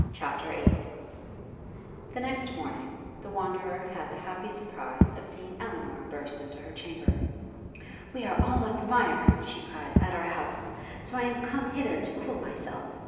CHAPTER VIII The next morning, the Wanderer had the happy surprise of seeing Elinor burst into her chamber. 'We are all on fire,' she cried, 'at our house, so I am come hither to cool myself.